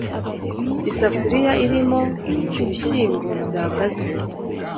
Isafuriya irimo ibishyimbo byagaze.